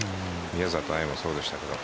宮里藍もそうでしたけど。